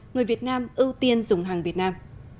người việt nam ưu tiên dùng hàng việt nam